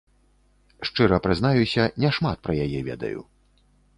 Шчыра прызнаюся, не шмат пра яе ведаю.